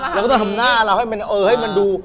เราก็ต้องทำหน้าเราให้มันดู